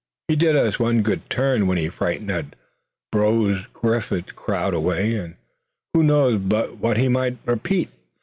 He did us one good turn when he frightened that Brose Griffin crowd away, and who knows but what he might repeat?"